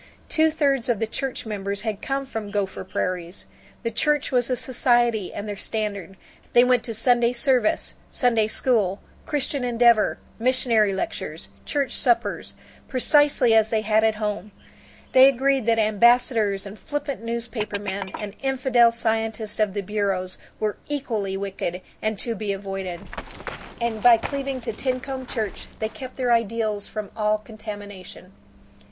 Two thirds of the church members had come from Gopher Prairies. The church was their society and their standard; they went to Sunday service, Sunday School, Christian Endeavor, missionary lectures, church suppers, precisely as they had at home; they agreed that ambassadors and flippant newspapermen and infidel scientists of the bureaus were equally wicked and to be avoided; and by cleaving to Tincomb Church they kept their ideals from all contamination.